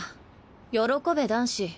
喜べ男子。